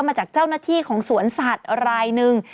มาจากเจ้าหน้าที่ของสวนสัตว์รายหนึ่ง